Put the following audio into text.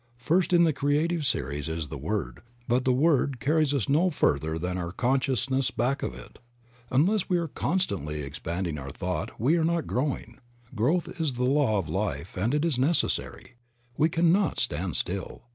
First in the creative series is the Word, 'but the Word carries us no further than our con sciousness back of it. Unless we are constantly expanding our thought we are not growing. Growth is the law of life and it is necessary. We cannot stand still.